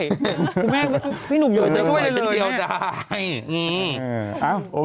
คุณแม่พี่หนุ่มอยู่ซักหวัยฉันเดียวได้